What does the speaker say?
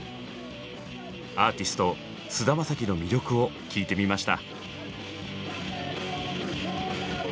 アーティスト菅田将暉の魅力を聞いてみました。